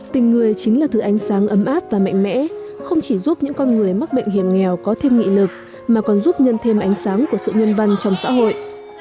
tình người chính là thứ ánh sáng ấm áp và mạnh mẽ không chỉ giúp những con người mắc bệnh hiểm nghèo có thêm nghị lực mà còn giúp nhân thêm ánh sáng của sự nhân văn trong xã hội